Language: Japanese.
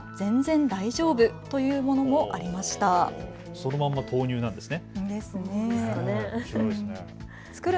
そのまま投入なんですね。